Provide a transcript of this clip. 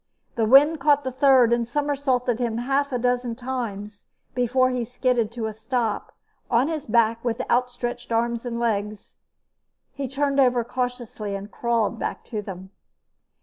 The wind caught the third and somersaulted him half a dozen times before he skidded to a stop on his back with outstretched arms and legs. He turned over cautiously and crawled back to them.